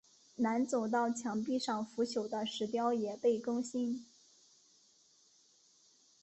南走道墙壁上腐朽的石雕也被更新。